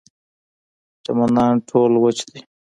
چمنان ټول وچ دي.